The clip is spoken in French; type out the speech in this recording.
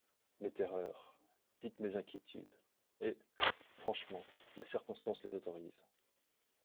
Mes terreurs !… dites mes inquiétudes ; et, franchement, la circonstance les autorise.